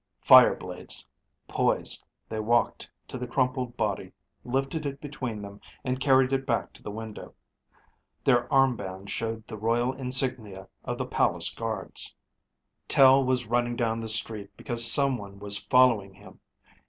Fire blades poised, they walked to the crumpled body, lifted it between them, and carried it back to the window. Their arm bands showed the royal insignia of the palace guards. Tel was running down the street because someone was following him.